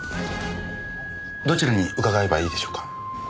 どちらに伺えばいいでしょうか。